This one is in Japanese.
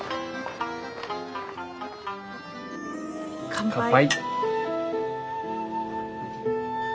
乾杯。